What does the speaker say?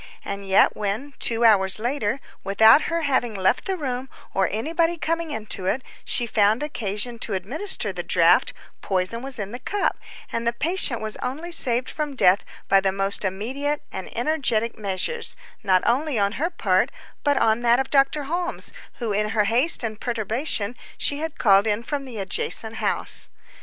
And yet when, two hours later, without her having left the room or anybody coming into it, she found occasion to administer the draught, poison was in the cup, and the patient was only saved from death by the most immediate and energetic measures, not only on her part, but on that of Dr. Holmes, whom in her haste and perturbation she had called in from the adjacent house.